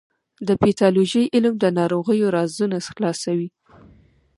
د پیتالوژي علم د ناروغیو رازونه خلاصوي.